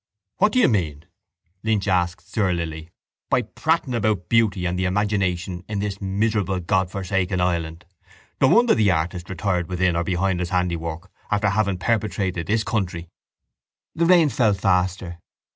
—What do you mean, Lynch asked surlily, by prating about beauty and the imagination in this miserable Godforsaken island? No wonder the artist retired within or behind his handiwork after having perpetrated this country. The rain fell faster.